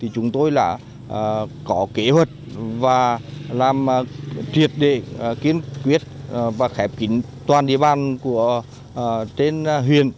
chúng tôi là có kế hoạch và làm triệt để kiến quyết và khép kín toàn địa bàn trên huyền